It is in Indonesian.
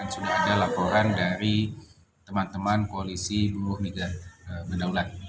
sudah ada laporan dari teman teman koalisi buruh migran berdaulat